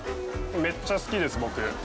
めっちゃ好きです、僕。